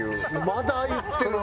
まだ言ってるな。